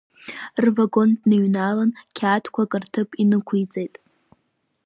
Рвагон дныҩналан, қьаадқәак рҭыԥ инықәиҵеит.